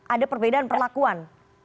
ada perbedaan perlakuan